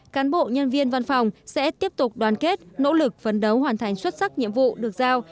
cán bộ nhân viên văn phòng sẽ tiếp tục đoàn kết nỗ lực phấn đấu hoàn thành xuất sắc nhiệm vụ được giao